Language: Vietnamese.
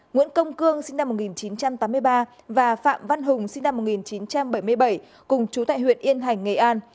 nguyễn công cương sinh năm một nghìn chín trăm tám mươi ba và phạm văn hùng sinh năm một nghìn chín trăm bảy mươi bảy cùng chú tại huyện yên hành nghệ an